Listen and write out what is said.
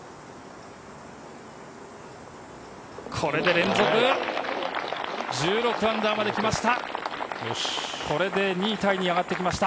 これで連続、−１６まで来ました。